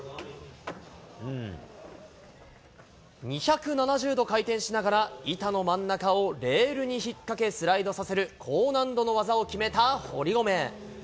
２７０度回転しながら、板の真ん中をレールに引っ掛けスライドさせる高難度の技を決めた堀米。